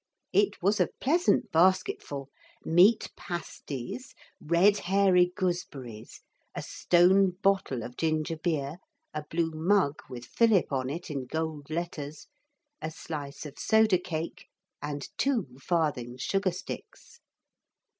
It was a pleasant basketful. Meat pasties, red hairy gooseberries, a stone bottle of ginger beer, a blue mug with Philip on it in gold letters, a slice of soda cake and two farthing sugar sticks.